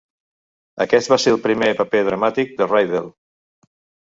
Aquest va ser el primer paper dramàtic de Rydell.